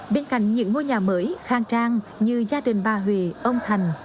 bên cạnh những ngôi nhà mới khang trang như gia đình bà hủy ông thành